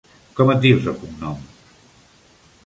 Com et dius de cognom?